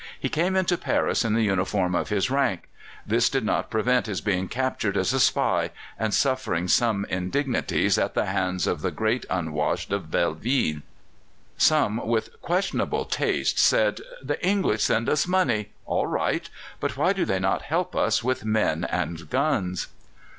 He came into Paris in the uniform of his rank. This did not prevent his being captured as a spy, and suffering some indignities at the hands of the great unwashed of Belleville. Some with questionable taste said, "The English send us money all right! but why do they not help us with men and guns?"